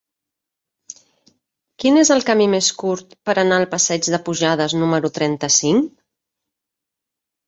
Quin és el camí més curt per anar al passeig de Pujades número trenta-cinc?